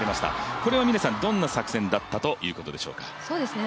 これはどんな作戦だったということでしょうか。